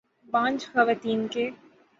بانجھ خواتین کے